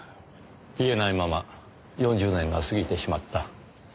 言えないまま４０年が過ぎてしまった。